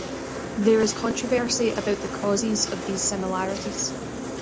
There is controversy about the causes of these similarities.